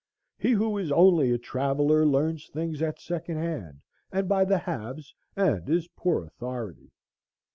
He who is only a traveller learns things at second hand and by the halves, and is poor authority.